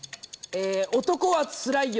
『男はつらいよ』